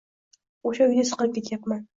O`sha uyda siqilib ketyapman